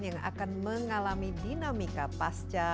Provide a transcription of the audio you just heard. yang akan mengalami dinamika pasca